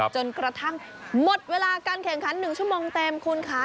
จนกระทั่งหมดเวลาการแข่งขัน๑ชั่วโมงเต็มคุณค่ะ